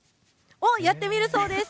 やってみるそうです。